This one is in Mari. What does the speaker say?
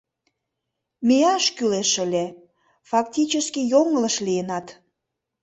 Мияш кӱлеш ыле... фактически йоҥылыш лийынат...